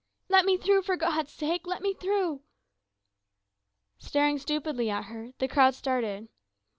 "Let me through, for God's sake! Let me through!" Staring stupidly at her, the crowd separated.